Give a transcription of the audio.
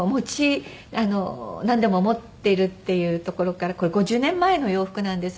なんでも持ってるっていうところからこれ５０年前の洋服なんですね。